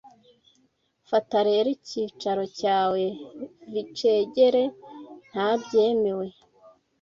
Fata rero, icyicaro cyawe, Vicegere ntabyemewe!